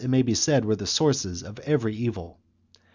x. may be said, were the sources of every evil.